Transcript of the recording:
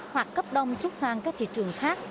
hoặc cấp đông xuất sang các thị trường khác